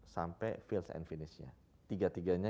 sampai fields and finish nya tiga tiganya